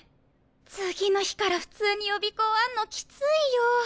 次の日から普通に予備校あんのきついよ。